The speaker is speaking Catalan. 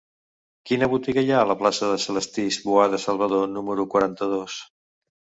Quina botiga hi ha a la plaça de Celestí Boada Salvador número quaranta-dos?